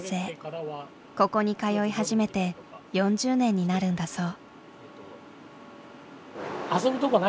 ここに通い始めて４０年になるんだそう。